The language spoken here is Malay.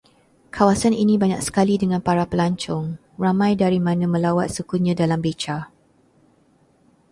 Kawasan ini banyak sekali dengan para pelancong, ramai dari mana melawat sukunya dalam beca